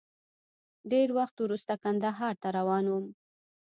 ډېر وخت وروسته کندهار ته روان وم.